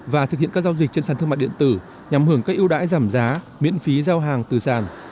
và thực hiện các giao dịch trên sàn thương mại điện tử nhằm hưởng các ưu đãi giảm giá miễn phí giao hàng từ sàn